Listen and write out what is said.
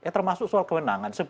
termasuk soal kewenangan